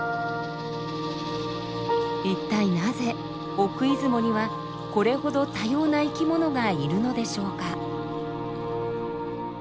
一体なぜ奥出雲にはこれほど多様な生きものがいるのでしょうか？